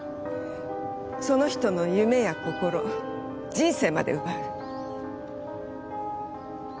その人の夢や心人生まで奪う。